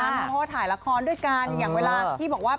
เพราะว่าถ่ายละครด้วยกันอย่างเวลาที่บอกว่า